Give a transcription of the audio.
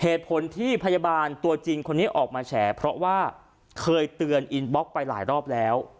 เหตุผลที่พยาบาลตัวจริงคนนี้ออกมาแฉเพราะว่าเคยเตือนอินบล็อกไปหลายรอบแล้ว